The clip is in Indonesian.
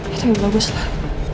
itu juga bagus lah